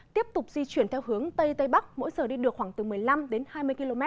tiếp tục di chuyển theo hướng tây tây bắc mỗi giờ đi được khoảng từ một mươi năm đến hai mươi km